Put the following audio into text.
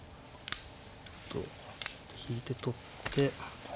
引いて取って。